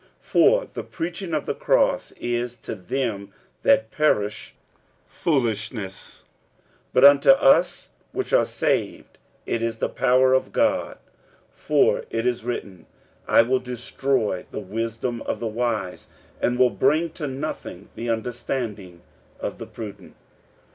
46:001:018 For the preaching of the cross is to them that perish foolishness; but unto us which are saved it is the power of God. 46:001:019 For it is written, I will destroy the wisdom of the wise, and will bring to nothing the understanding of the prudent.